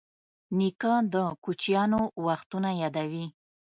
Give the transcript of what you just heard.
نیکه د کوچیانو وختونه یادوي.